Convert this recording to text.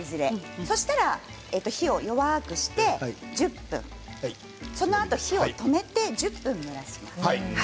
そうしたら火を弱くしてその後、火を止めて１０分蒸らします。